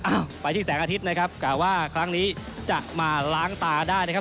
ไปที่แสงอาทิตย์นะครับกล่าวว่าครั้งนี้จะมาล้างตาได้นะครับ